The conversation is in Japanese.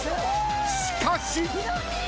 しかし。